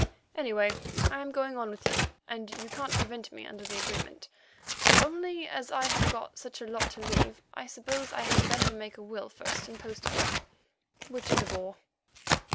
Anyway, I am going on with you, and you can't prevent me under the agreement. Only as I have got such a lot to leave, I suppose I had better make a will first and post it home, which is a bore."